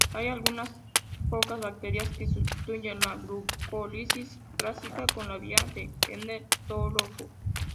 Hay unas pocas bacterias que sustituyen la glucólisis clásica con la vía de Entner-Doudoroff.